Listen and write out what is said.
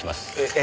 え？